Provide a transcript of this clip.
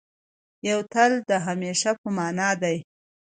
یو تل د همېشه په مانا دی.